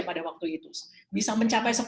pada waktu itu bisa mencapai